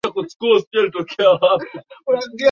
Hakukuwa na mtu yeyote chumbani